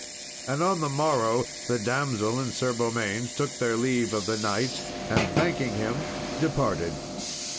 And on the morrow, the damsel and Sir Beaumains took their leave of the knight, and thanking him departed.